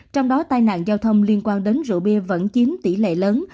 trong đó tai nạn giao thông liên quan đến rượu bia vẫn chiếm tỷ lệ lớn